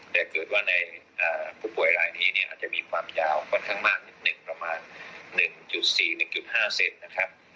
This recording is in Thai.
แต่เกิดว่าในผู้ป่วยรายนี้เนี่ยอาจจะมีความยาวค่อนข้างมากนิดหนึ่งประมาณ๑๔๑๕เซนนะครับ